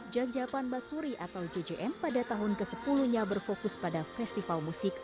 jakjapan batsuri atau jjm pada tahun ke sepuluh nya berfokus pada festival musik